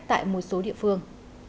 tại một số địa phương